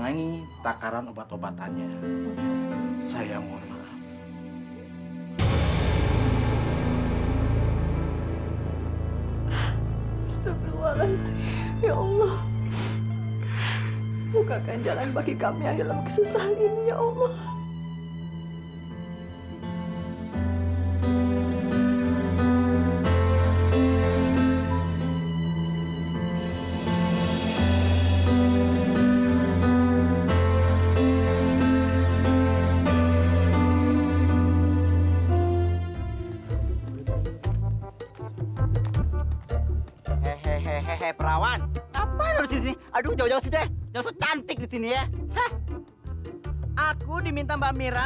hehehe perawan apaan harus ini aduh jauh jauh sudah cantik di sini ya aku diminta mbak mira